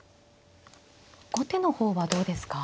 後手の方はどうですか。